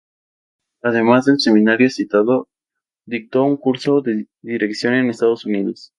Además del seminario citado, dictó un curso de dirección en Estados Unidos.